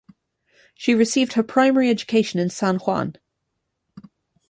She received her primary education in San Juan.